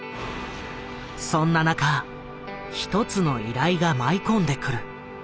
そんな中一つの依頼が舞い込んでくる。